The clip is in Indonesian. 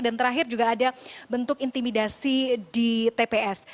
dan terakhir juga ada bentuk intimidasi di tps